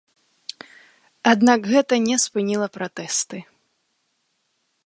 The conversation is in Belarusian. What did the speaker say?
Аднак, гэта не спыніла пратэсты.